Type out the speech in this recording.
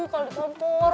kalau di kelempor